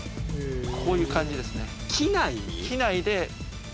こういう感じですね。